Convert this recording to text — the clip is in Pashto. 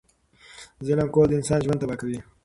ظلم کول د انسان ژوند تبا کوي.